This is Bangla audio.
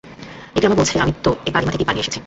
ইকরামা বলছে, আমি তো এ কালিমা থেকেই পালিয়ে এসেছি।